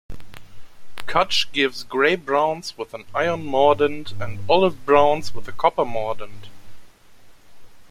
Cutch gives gray-browns with an iron mordant and olive-browns with a copper mordant.